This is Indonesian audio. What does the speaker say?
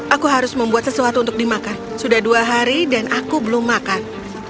aku harus membuat sesuatu untuk dimakan sudah dua hari dan aku belum makan